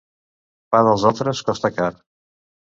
Pa dels altres costa car.